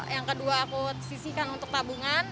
yang kedua aku sisihkan untuk tabungan